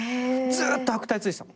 ずーっと悪態ついてたの。